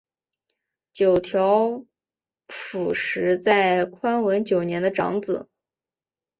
九条辅实在宽文九年的长子。